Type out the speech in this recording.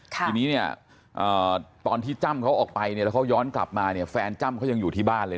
ทีนี้เนี่ยตอนที่จ้ำเขาออกไปเนี่ยแล้วเขาย้อนกลับมาเนี่ยแฟนจ้ำเขายังอยู่ที่บ้านเลย